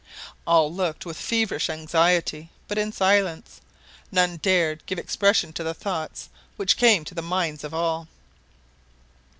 All looked with feverish anxiety, but in silence. None dared give expression to the thoughts which came to the minds of all.